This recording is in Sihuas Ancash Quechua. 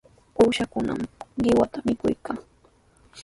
Uushakunami qiwata mikuykan.